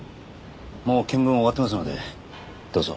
もう見分は終わってますのでどうぞ。